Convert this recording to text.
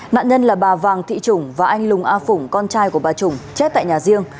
nạn nhân là bà vàng thị trùng và anh lùng a phùng con trai của bà trùng chết tại nhà riêng